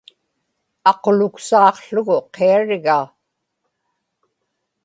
aquluksaaqługu qiarigaa